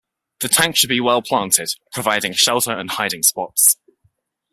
The tank should be well-planted, providing shelter and hiding spots.